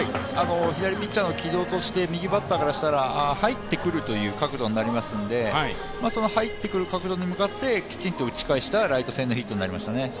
左ピッチャーの軌道として、右バッターからしたら入ってくるという角度になりますので、その角度に向かってきちんと打ち返したライト線のヒットになりましたね。